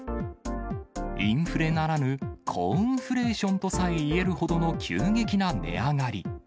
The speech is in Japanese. インフレならぬ、コーンフレーションとさえいえるほどの急激な値上がり。